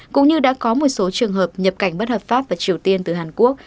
cũng như đã có một số trường hợp nhập cảnh bất hợp pháp vào triều tiên từ hàn quốc